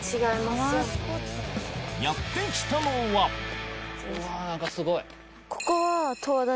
やって来たのはうわ何かすごい。